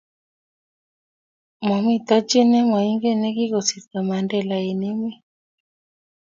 mamito chi ne maingen ne kikosirto Mandela eng' emet